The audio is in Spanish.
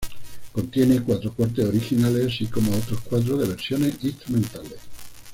Contiene cuatro cortes originales, así como otros cuatro de versiones instrumentales.